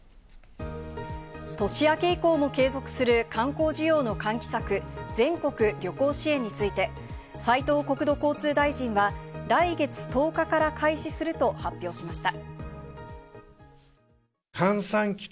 年明け以降も継続する観光需要の喚起策、全国旅行支援について、斉藤国土交通大臣は来月１０日から開始すると発表しました。